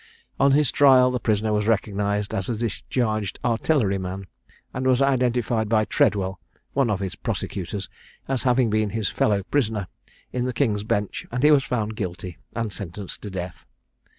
On his trial the prisoner was recognised as a discharged artillery man, and was identified by Treadwell, one of his prosecutors, as having been his fellow prisoner in the King's Bench; and he was found guilty, and sentenced to death.